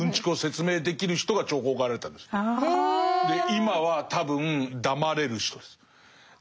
今は多分黙れる人です。ああ！